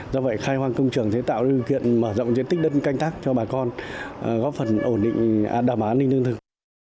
do vậy khai hoang công trường sẽ tạo điều kiện mở rộng diện tích đất canh tác cho bà con góp phần ổn định đảm bảo an ninh lương thực